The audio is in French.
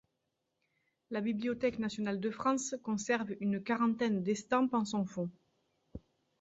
La Bibliothèque nationale de France conserve une quarantaine d'estampes en son fonds.